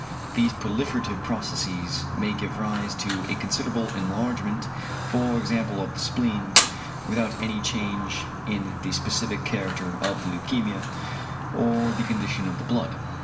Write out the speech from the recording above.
These proliferative processes may give rise to a considerable enlargement, for example, of the spleen, without any change in the specific character of the leukæmia, or the condition of the blood.